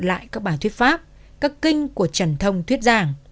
ban tổ chức các bài thuyết pháp các kinh của trần thông thuyết giảng